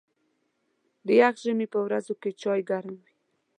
د یخ ژمي په ورځو کې چای ګرم وي.